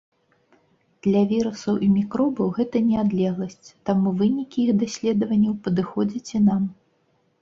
Для вірусаў і мікробаў гэта не адлегласць, таму вынікі іх даследаванняў падыходзяць і нам.